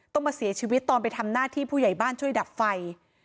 ต้องมาเสียชีวิตตอนไปทำหน้าที่ผู้ใหญ่บ้านช่วยดับไฟ